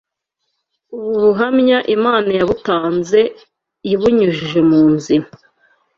Ubu buhamya Imana yabutanze ibunyujije mu nzira